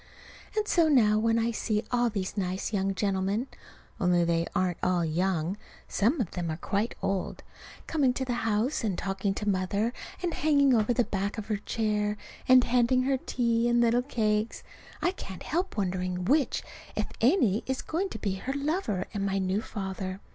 And so now, when I see all these nice young gentlemen (only they aren't all young; some of them are quite old) coming to the house and talking to Mother, and hanging over the back of her chair, and handing her tea and little cakes, I can't help wondering which, if any, is going to be her lover and my new father.